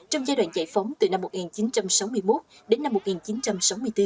trong giai đoạn giải phóng từ năm một nghìn chín trăm sáu mươi một đến năm một nghìn chín trăm sáu mươi bốn